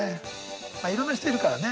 まあいろんな人いるからね。